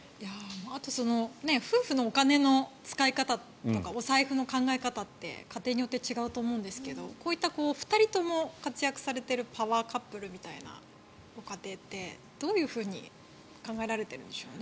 あと夫婦のお金の使い方とかお財布の考え方って家庭によって違うと思うんですがこういった２人とも活躍されているパワーカップルみたいなご家庭ってどういうふうに考えられてるんでしょうね？